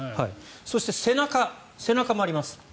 そして、背中もあります。